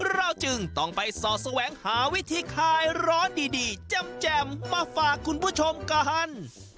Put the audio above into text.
เราจึงต้องไปสอดแสวงหาวิธีคลายร้อนดีแจ่มมาฝากคุณผู้ชมกัน